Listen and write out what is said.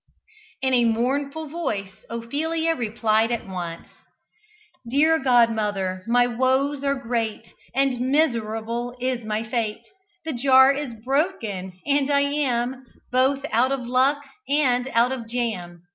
In a mournful voice Ophelia replied at once: "Dear godmother! my woes are great, And miserable is my fate: The jar is broken! and I am Both 'out of luck' and 'out of' jam!